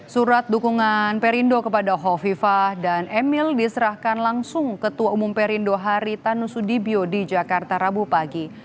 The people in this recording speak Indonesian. surat dukungan perindo kepada hovifah dan emil diserahkan langsung ketua umum perindo haritanu sudibyo di jakarta rabu pagi